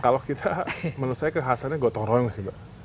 kalau kita menurut saya kekhasan nya gotong rong sih mbak